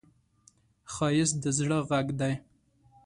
ښایست د زړه غږ دی